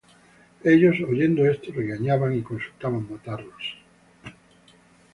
Ellos, oyendo esto, regañaban, y consultaban matarlos.